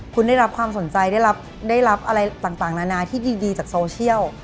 คุณได้รับความสนใจได้รับอะไรต่างนานาที่ดีจากโซเชียล